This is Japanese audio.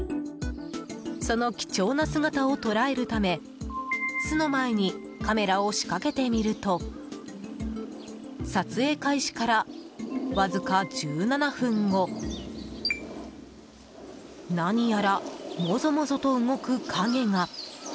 その貴重な姿を捉えるため巣の前にカメラを仕掛けてみると撮影開始からわずか１７分後何やら、もぞもぞと動く影が。